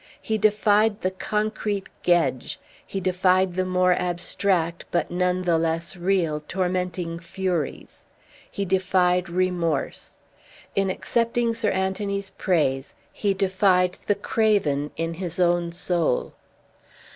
He defied the concrete Gedge. He defied the more abstract, but none the less real, tormenting Furies. He defied remorse. In accepting Sir Anthony's praise he defied the craven in his own soul.